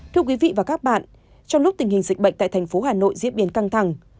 thưa quý vị và các bạn trong lúc tình hình dịch bệnh tại thành phố hà nội diễn biến căng thẳng